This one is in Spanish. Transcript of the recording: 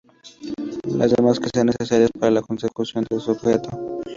Las demás que sean necesarias para la consecución de su objeto.